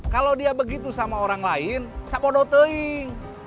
kalau dia begitu sama orang lain sapodo teing